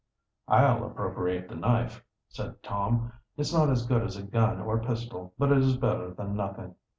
"I'll appropriate the knife," said Tom. "It's not as good as a gun or pistol, but it is better than nothing."